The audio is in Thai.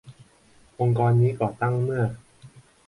องค์กรนี้ก่อตั้งเมื่อ